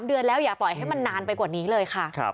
เดือนแล้วอย่าปล่อยให้มันนานไปกว่านี้เลยค่ะ